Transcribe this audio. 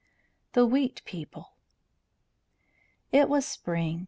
THE WHEAT PEOPLE It was spring.